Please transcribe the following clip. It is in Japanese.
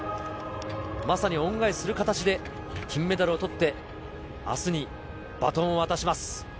まさに恩返しする形で金メダルをとって、あすにバトンを渡します。